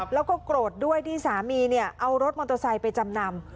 แล้วก็โกรธด้วยที่สามีเอารถมอเตอร์ไซค์ไปจำนำ